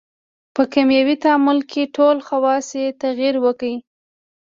په کیمیاوي تعامل کې ټول خواص یې تغیر وکړي.